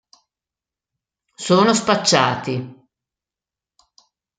Sono spacciati.